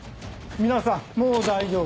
皆さんもう大丈夫。